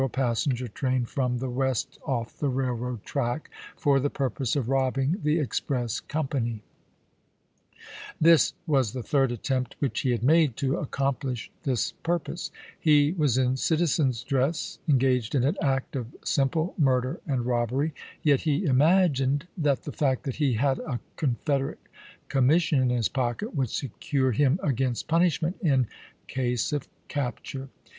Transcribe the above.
a passenger train from the West off the railroad track iscs'^' for the purpose of robbing the express company, j. Y^Vaii. 20 ABKAHAM LINCOLN CHAP. I. This was the third attempt which he had made to accompHsh this purpose. He was in citizen's dress, engaged in an act of simple murder and robbery, yet he imagined that the fact that he had a Con federate commission in his pocket would secure him against punishment in case of capture.